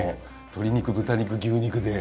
鶏肉豚肉牛肉で。